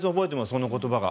その言葉が。